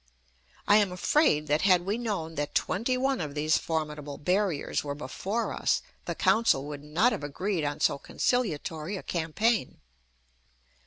I am afraid that had we known that twenty one of these formidable barriers were before us, the council would not have agreed on so conciliatory a campaign.